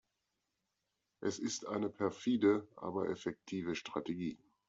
Es ist eine perfide, aber effektive Strategie.